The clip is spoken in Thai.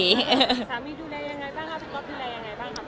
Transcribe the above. สามีดูแลยังไงบ้างคะพี่ก๊อปดูแลยังไงบ้างครับ